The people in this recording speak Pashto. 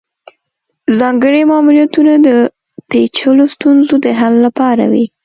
ځانګړي ماموریتونه د پیچلو ستونزو د حل لپاره وي